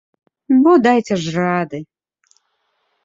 Бо дайце ж рады!